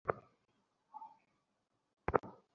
আয়, আয়, আয়!